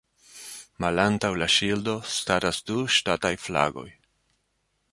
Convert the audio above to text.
Malantaŭ la ŝildo staras du ŝtataj flagoj.